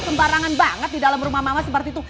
sembarangan banget di dalam rumah mama seperti itu